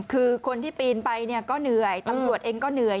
คือคนที่ปีนไปก็เหนื่อยตำรวจเองก็เหนื่อย